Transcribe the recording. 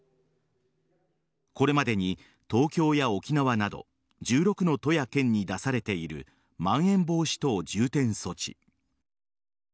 これまでに東京や沖縄など１６の都や県に出されているまん延防止等重点措置。